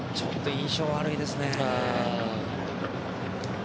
印象悪いですね。